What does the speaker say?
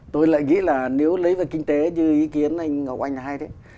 tôi lại nghĩ là nếu lấy về kinh tế như ý kiến anh ngọc anh hay thế